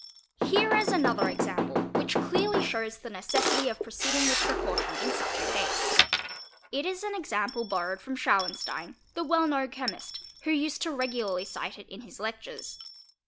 | 4 Here is another example which clearly shows the necessity of pro ceeding with precaution in such a case. It is an example borrowed from Schauenstein, the well known chemist, who used regularly to cite it in his lectures.